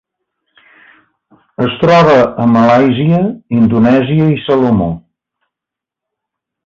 Es troba a Malàisia, Indonèsia i Salomó.